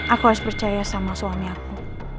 aku harus percaya sama suami aku